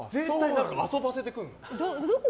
遊ばせてくるの。